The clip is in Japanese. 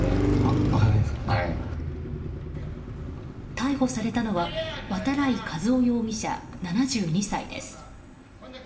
逮捕されたのは渡来和雄容疑者、７２歳です。